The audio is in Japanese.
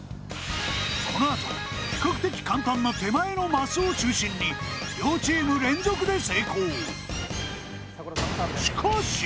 このあと比較的簡単な手前のマスを中心に両チーム連続で成功